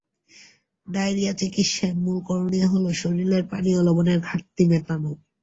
Diarrhoea চিকিৎসায় মূল করণীয় হলো শরীরের পানি ও লবণের ঘাটতি মেটানো।